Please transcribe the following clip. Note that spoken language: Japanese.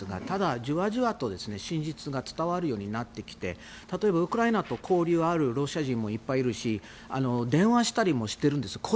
ただじわじわと真実が伝わるようになってきて例えば、ウクライナと交流があるロシア人もいっぱいいるし電話したりもしているんです。